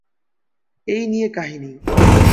এই নিয়ে কাহিনী।